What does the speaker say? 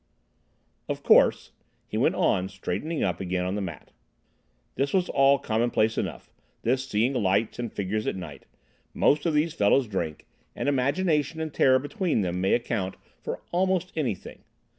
"Of course," he went on, straightening up again on the mat, "this was all commonplace enough—this seeing lights and figures at night. Most of these fellows drink, and imagination and terror between them may account for almost anything.